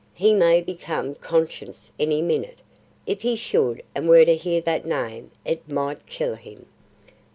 He may become conscious any minute. If he should and were to hear that name, it might kill him."